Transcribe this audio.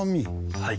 はい。